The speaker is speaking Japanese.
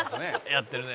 「やってるね」